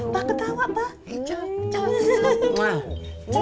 pak ketawa pak